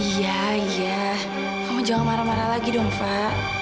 iya iya kamu jangan marah marah lagi dong pak